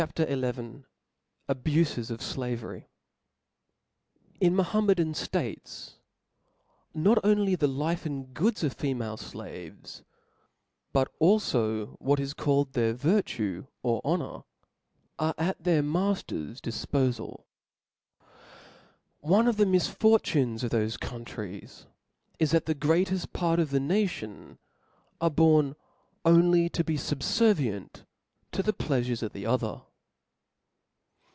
XI. Abufes of Slavery. T N Mahometan ftatcs Q\ not only the life and (OsirTohii •■' goods of femalc Qavcs, but alfo what is called trav^i^to their virtue or honor, are at their mailer's dif ^crfia. pofal. One of the misfortunes of thofe countries is, that the greateft part of the nation are born only to be fubfervient to the pleafurcs of the other.